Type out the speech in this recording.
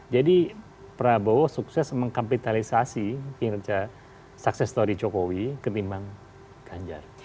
jadi prabowo sukses mengkapitalisasi kinerja sukses story jokowi ketimbang ganjar